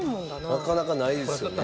なかなかないですよね。